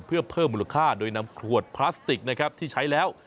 เพื่อเพิ่มมูลค่าโดยนำขวดพลาสติกนะครับที่ใช้แล้ว